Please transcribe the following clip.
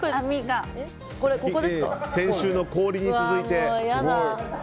先週の氷に続いて。